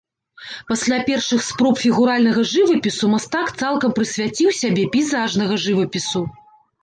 Пасля першых спроб фігуральнага жывапісу мастак цалкам прысвяціў сябе пейзажнага жывапісу.